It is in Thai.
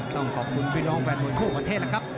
ต้องขอบคุณพี่น้องแฟนมวยทั่วประเทศแล้วครับ